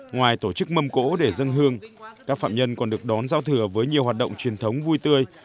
ngoài tổ chức mâm cỗ để dân hương các phạm nhân còn được đón giao thừa với nhiều hoạt động truyền thống vui tươi